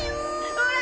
ほら！